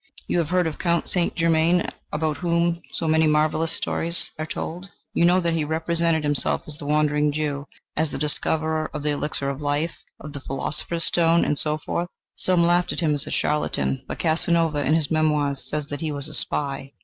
You have heard of Count St. Germain, about whom so many marvellous stories are told. You know that he represented himself as the Wandering Jew, as the discoverer of the elixir of life, of the philosopher's stone, and so forth. Some laughed at him as a charlatan; but Casanova, in his memoirs, says that he was a spy.